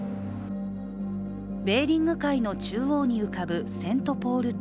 ベーリング海の中央に浮かぶセントポール島。